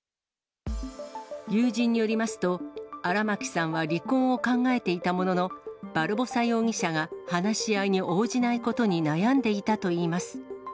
友人によりますと、荒牧さんは離婚を考えていたものの、バルボサ容疑者が話し合いに応じないことに悩んでいたといいます。